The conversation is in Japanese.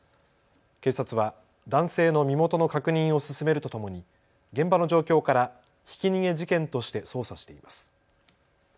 警察は男性の身元の確認を進めるとともに現場の状況からひき逃げ事件として捜査しています。